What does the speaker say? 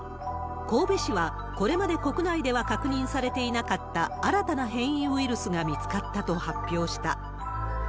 神戸市はこれまで国内では確認されていなかった新たな変異ウイルスが見つかったと発表した。